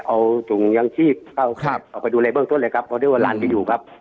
เอาจุงยังชีพเข้าครับเอาไปดูเลยเบื้องต้นเลยครับเพราะว่าหลานไปอยู่ครับ